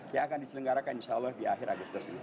yang akan diselenggarakan insyaallah di akhir agustus ini